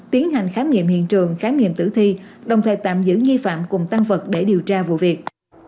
tiến hành khám nghiệm hiện trường khám nghiệm tử thi đồng thời tạm giữ nghi phạm cùng tăng vật để điều tra vụ việc